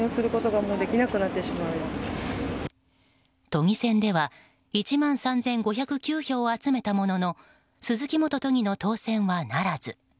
都議選では、１万３５０９票を集めたものの鈴木元都議の当選はならず。